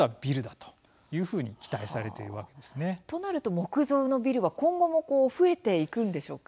となると木造のビルは今後も増えていくんでしょうか？